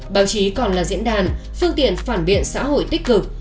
báo chí còn là diễn đàn phương tiện phản biện xã hội tích cực